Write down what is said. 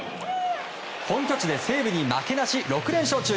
本拠地で西武に負けなし６連勝中。